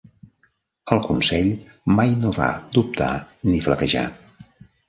El consell mai no va dubtar ni flaquejar.